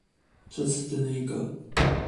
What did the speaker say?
這次的內閣